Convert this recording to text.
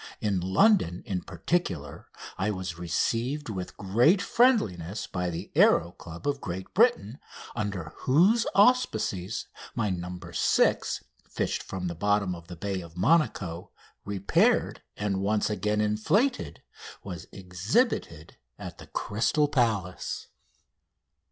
In London, in particular, I was received with great friendliness by the Aéro Club of Great Britain, under whose auspices my "No. 6," fished from the bottom of the bay of Monaco, repaired and once again inflated, was exhibited at the Crystal Palace.